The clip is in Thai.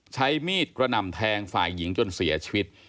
ใช้มีดกระหน่ำแทงฝ่ายหญิงจนเสียชีวิต